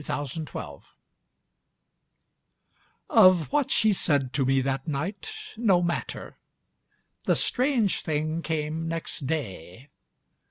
7 Autoplay Of what she said to me that nightâno matter. The strange thing came next day.